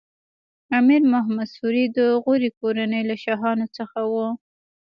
امیر محمد سوري د غوري کورنۍ له شاهانو څخه و.